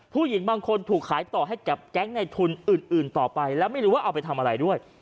ผู้หญิงบางคนถูกขายต่อให้กับแก๊งในทุนอื่นต่อไปแล้วไม่รู้ว่าเอาไปทำอะไรด้วย